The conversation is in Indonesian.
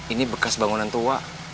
ini bekas bangunan tua